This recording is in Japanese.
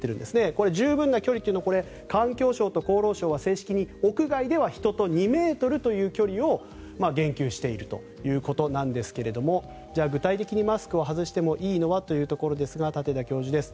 これ、十分な距離というのは環境省と厚労省は正式に屋外では人と２ｍという距離を言及しているということですがじゃあ具体的にマスクを外してもいいのはというところで舘田教授です。